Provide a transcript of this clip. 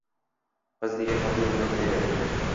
Qiziq, nega xotinim bunaqa dedi